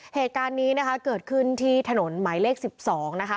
เหตุการณ์นี้นะคะเกิดขึ้นที่ถนนหมายเลข๑๒นะคะ